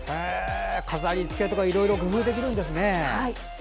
飾りつけとかいろいろ工夫ができるんですね。